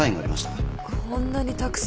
こんなにたくさん。